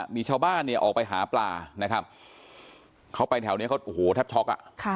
มีชาวบ้านออกไปหาปลาเขาไปแถวนี้ทับช็อก